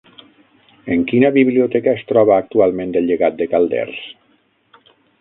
En quina Biblioteca es troba actualment el llegat de Calders?